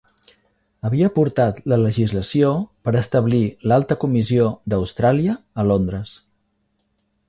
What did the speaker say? Havia portat la legislació per establir l'Alta Comissió d'Austràlia a Londres.